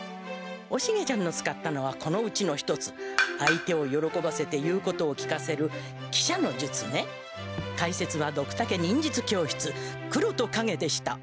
おシゲちゃんの使ったのはこのうちの１つ相手をよろこばせて言うことを聞かせるかいせつはドクタケ忍術教室黒戸カゲでした。